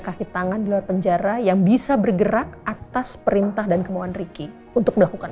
kaki tangan di luar penjara yang bisa bergerak atas perintah dan kemauan riki untuk melakukan